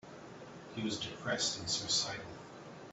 He was depressed and suicidal.